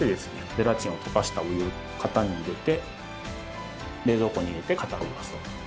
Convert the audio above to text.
ゼラチンを溶かしたお湯を型に入れて冷蔵庫に入れて固めます。